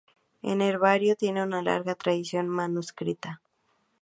El herbario tiene una larga tradición manuscrita.